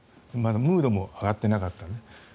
ムードも上がっていなかった。